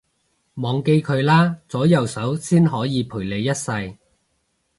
忘記佢啦，左右手先可以陪你一世